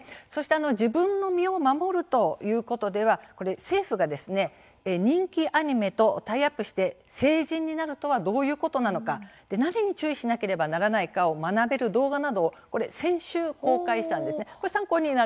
そして自分の身を守るということでは政府が人気アニメとタイアップして成人になるとはどういうことなのか何に注意しなければならないか学べる動画などを先週公開したんです。